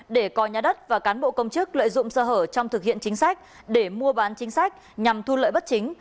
để coi nhà đất và cán bộ công chức lợi dụng sơ hở trong thực hiện chính sách để mua bán chính sách nhằm thu lợi bất chính